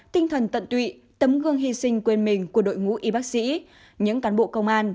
tinh thần tận tụy tấm gương hy sinh quên mình của đội ngũ y bác sĩ những cán bộ công an